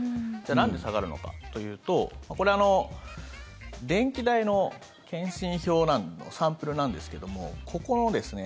なんで下がるのかというとこれは、電気代の検針票のサンプルなんですけどもここのですね